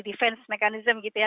defense mechanism gitu ya